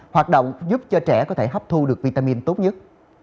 hoạt động giúp cho trẻ có thể hấp thu được vitamin tốt nhất